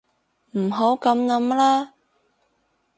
唔好噉諗啦